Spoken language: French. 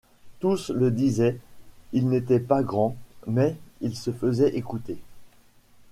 Tous le disaient, il n’était pas grand, mais il se faisait écouter.